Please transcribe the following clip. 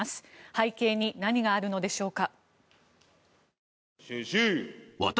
背景に何があるのでしょうか。